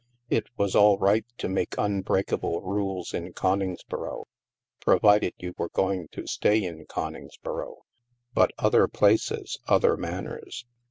It was all right to make unbreakable rules in Con ingsboro — provided you were going to stay in Coningsboro. But, other places, other manners.